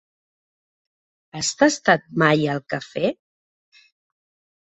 Has tastat mai el cafè?